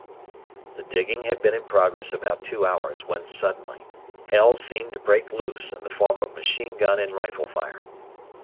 The digging had been in progress about two hours, when suddenly, hell seemed to break loose in the form of machine gun and rifle fire.